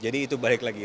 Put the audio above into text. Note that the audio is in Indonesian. jadi itu balik lagi